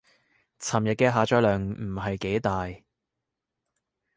尋日嘅下載量唔係幾大